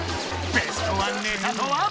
ベストワンネタとは？